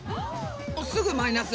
すぐマイナス。